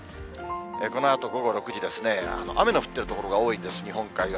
このあと午後６時ですね、雨の降ってる所が多いんです、日本海側。